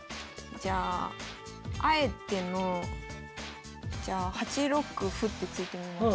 じゃああえてのじゃあ８六歩って突いてみます。